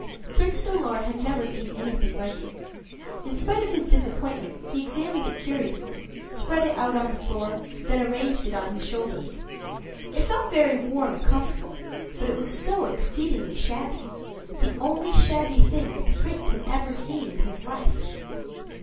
Prince Dolor had never seen anything like it. In spite of his disappointment, he examined it curiously; spread it out on the door, then arranged it on his shoulders. It felt very warm and comfortable; but it was so exceedingly shabby the only shabby thing that the Prince had ever seen in his life.